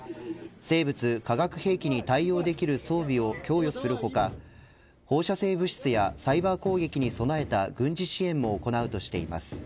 生物・化学兵器に対応できる装備を供与する他放射性物質やサイバー攻撃に備えた軍事支援も行うとしています。